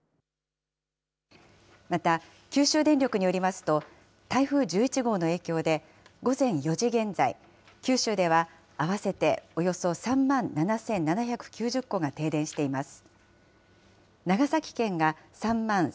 また、九州電力によりますと、台風１１号の影響で、午前４時現在、九州では合わせておよそ３万７７９０戸が停電しています。